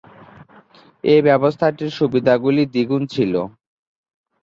এই ব্যবস্থাটির সুবিধাগুলি দ্বিগুণ ছিল।